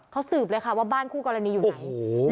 เขาสืบเลยค่ะว่าบ้านคู่กรณีอยู่ไหน